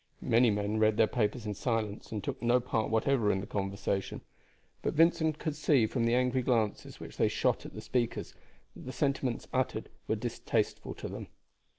Many men read their papers in silence and took no part whatever in the conversation, but Vincent could see from the angry glances which they shot at the speakers that the sentiments uttered were distasteful to them.